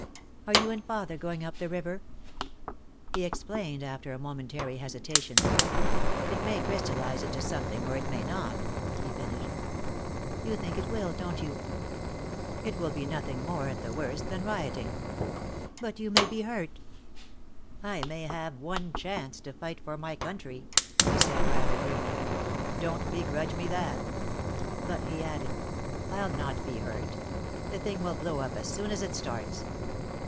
"Are you and father going up the river?" He explained, after a momentary hesitation. "It may crystallize into something, or it may not," he finished. "You think it will, don't you?" "It will be nothing more, at the worst, than rioting." "But you may be hurt!" "I may have one chance to fight for my country," he said, rather grimly. "Don't begrudge me that." But he added: "I'll not be hurt. The thing will blow up as soon as it starts."